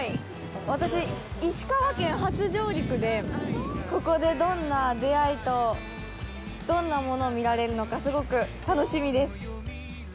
私、石川県初上陸でここで、どんな出会いとどんなものを見られるのかすごく楽しみです。